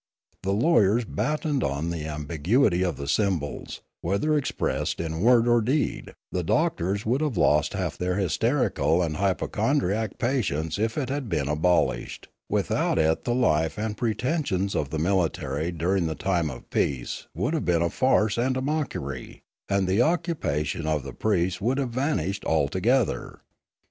The lawyers battened on the ambiguity of the symbols, whether expressed in word or deed; the doctors would have lost half their hysteri cal and hypochondriac patients if it had been abol ished; without it the life and pretensions of the military during time of peace would have been a farce and a mockery ; and the occupation of the priests would have vanished altogether.